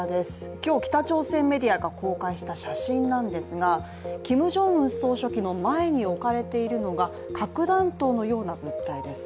今日、北朝鮮メディアが公開した写真なんですがキム・ジョンウン総書記の前に置かれているのが核弾頭のような物体です。